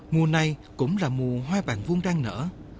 mùa này cũng là mùa hoa bàn vuông đen nở